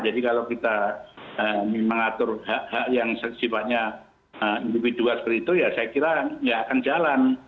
jadi kalau kita mengatur hak hak yang sifatnya individual seperti itu ya saya kira tidak akan jalan